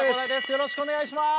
よろしくお願いします。